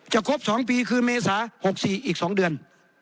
ครบ๒ปีคืนเมษา๖๔อีก๒เดือน